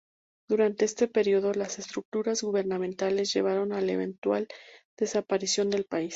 Durante este periodo las estructuras gubernamentales llevaron a la eventual desaparición del país.